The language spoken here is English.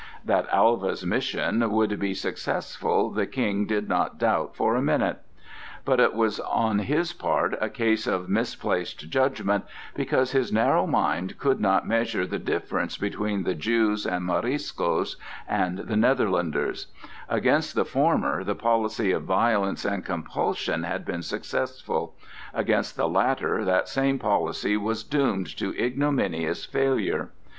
That Alva's mission would be successful, the King did not doubt for a minute. But it was on his part a case of misplaced judgment, because his narrow mind could not measure the difference between the Jews and Moriscoes, and the Netherlanders: against the former the policy of violence and compulsion had been successful; against the latter that same policy was doomed to ignominious failure.